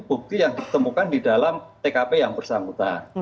bukti yang ditemukan di dalam tkp yang bersangkutan